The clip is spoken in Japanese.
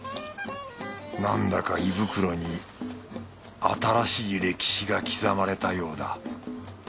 なんだか胃袋に新しい歴史が刻まれたようだ。